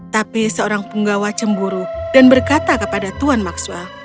tapi seorang penggawa cemburu dan berkata kepada tuan maxwel